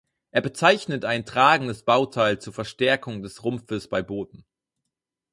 Er bezeichnet ein tragendes Bauteil zur Verstärkung des Rumpfes bei Booten.